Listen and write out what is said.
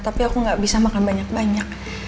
tapi aku gak bisa makan banyak banyak